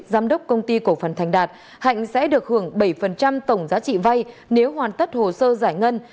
giám đốc công ty cổ phần thành đạt hạnh sẽ được hưởng bảy tổng giá trị vay nếu hoàn tất hồ sơ giải ngân